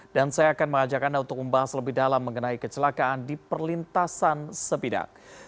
dan saya akan mengajak anda untuk membahas lebih dalam mengenai kecelakaan di perlintasan sepidang